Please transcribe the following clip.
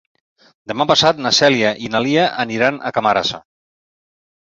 Demà passat na Cèlia i na Lia aniran a Camarasa.